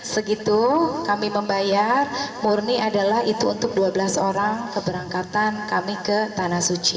segitu kami membayar murni adalah itu untuk dua belas orang keberangkatan kami ke tanah suci